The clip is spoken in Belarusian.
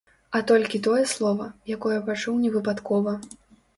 А толькі тое слова, якое пачуў невыпадкова.